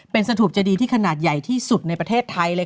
เป็นสถูปเจดีที่ขนาดใหญ่ที่สุดในประเทศไทยเลยค่ะ